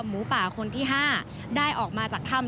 หมูป่าคนที่๕ได้ออกมาจากถ้ำ